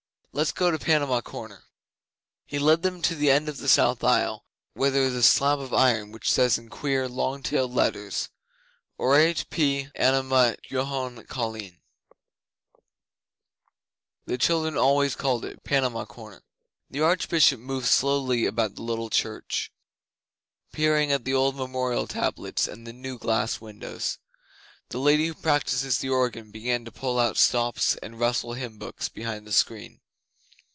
'Let's go to Panama Corner.' He led them to the end of the south aisle, where there is a slab of iron which says in queer, long tailed letters: ORATE P. ANNEMA JHONE COLINE. The children always called it Panama Corner. The Archbishop moved slowly about the little church, peering at the old memorial tablets and the new glass windows. The Lady who practises the organ began to pull out stops and rustle hymn books behind the screen.